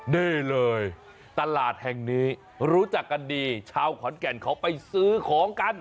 นี่เลยตลาดแห่งนี้รู้จักกันดีชาวขอนแก่นเขาไปซื้อของกัน